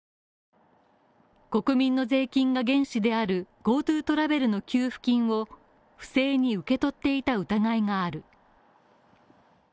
国民の税金が原資であるＧｏＴｏトラベルの給付金を不正に受け取っていた疑いがある。